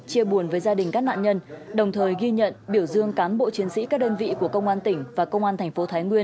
chia buồn với gia đình các nạn nhân đồng thời ghi nhận biểu dương cán bộ chiến sĩ các đơn vị của công an tỉnh và công an thành phố thái nguyên